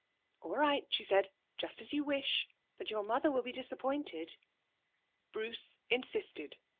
'All right,' she said, 'just as you wish. But your mother will be disappointed.' Bruce insisted.